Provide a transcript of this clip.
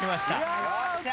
よっしゃ！